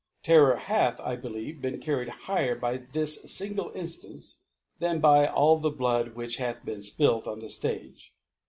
Ter ^ ror hath, I believe, been carried higher by this fingle Inftance, than by all the Blood which hath been fpilt on the Stage.